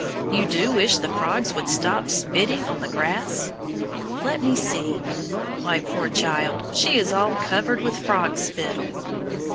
You do wish the frogs would stop spitting on the grass? Let me see; why, poor child, she is all covered with frog spittle.